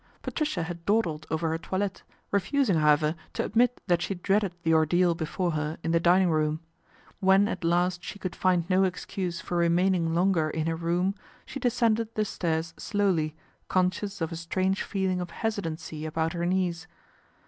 Patricia had dawdled over her toilette, re ising, however, to admit that she dreaded the cdeal before her in the dining room. When at 1st she could find no excuse for remaining longer i her room, she descended the stairs slowly, con sious of a strange feeling of hesitancy about her liees.